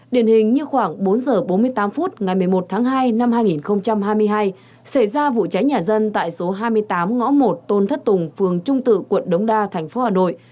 điển hình như khoảng bốn h bốn mươi tám phút ngày một mươi một tháng hai năm hai nghìn hai mươi hai xảy ra vụ cháy nhà dân tại số hai mươi tám ngõ một tôn thất tùng phường trung tự quận đống đa thành phố hà nội